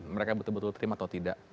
mereka betul betul terima atau tidak